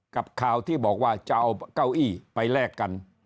ข่าวที่บอกว่าจะเอาเก้าอี้ไปแลกกัน